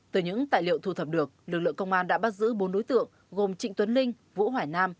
từ những tài liệu thu thập được lực lượng công an đã bắt giữ bốn đối tượng gồm trịnh tuấn linh vũ hoài nam